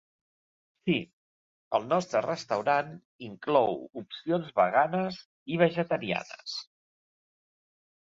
Sí, el nostre restaurant inclou opcions veganes i vegetarianes.